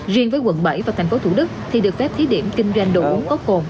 riêng với quận bảy và tp thủ đức thì được phép thí điểm kinh doanh đồ uống có cồn